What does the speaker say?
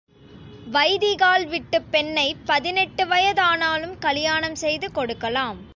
வைதீகாள் விட்டுப் பெண்ணைப் பதினெட்டு வயதானாலும் கலியாணம் செய்து கொடுக்கலாம்.